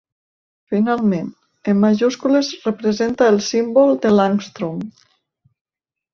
Finalment, en majúscules representa el símbol de l'àngstrom.